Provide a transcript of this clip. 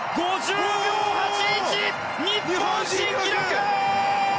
５０秒８１！日本新記録！